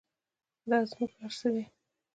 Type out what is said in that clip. دا زموږ هر څه دی